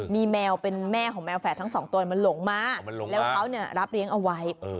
มีแมวเป็นแม่ของแมวแฝดทั้งสองตัวมันหลงมามันหลงมาแล้วเขาเนี้ยรับเลี้ยงเอาไว้เออ